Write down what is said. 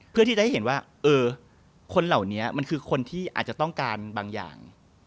เพื่อที่จะให้เห็นว่าคนเหล่านี้มันคือคนที่อาจจะต้องการบางอย่าง